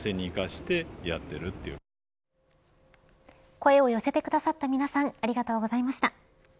声を寄せてくださった皆さんありがとうございました。